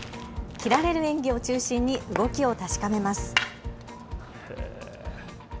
斬られる演技を中心に動きを確かめます。